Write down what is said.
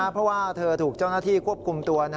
เพราะว่าเธอถูกเจ้าหน้าที่ควบคุมตัว